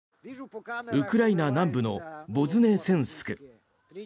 ウクライナ南部のボズネセンスク。